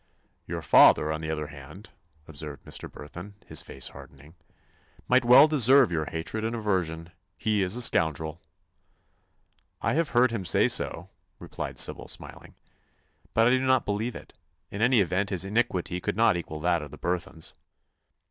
"Your father, on the other hand," observed Mr. Burthon, his face hardening, "might well deserve your hatred and aversion. He is a scoundrel." "I have heard him say so," replied Sybil, smiling, "but I do not believe it. In any event his iniquity could not equal that of the Burthons."